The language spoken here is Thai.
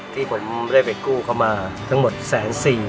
ที่ผมได้เฟ็ดกู้เขามาทั้งหมดแสนสี่